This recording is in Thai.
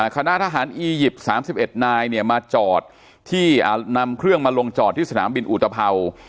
คณะทหารอียิปต์๓๑นายเนี่ยมาจอดที่นำเครื่องมาลงจอดที่สนามบินอุตภัวร์